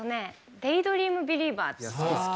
「デイ・ドリーム・ビリーバー」。